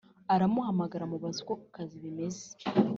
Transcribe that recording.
aramuhamagara amubaza uko kukazi bimeze